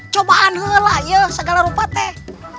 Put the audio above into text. coba saja ya segala rupa teh